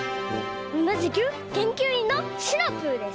おなじくけんきゅういんのシナプーです。